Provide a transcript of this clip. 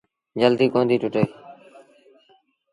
جلديٚ ڪونديٚ ٽُٽي۔